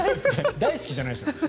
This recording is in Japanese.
大好きじゃないでしょ。